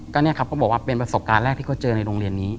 ก็เนี่ยครับเขาบอกว่าเป็นประสบการณ์แรกที่เขาเจอในโรงเรียนนี้